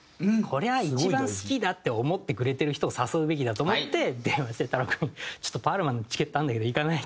これは一番好きだって思ってくれてる人を誘うべきだと思って電話して「太郎君ちょっとパールマンのチケットあるんだけど行かない？」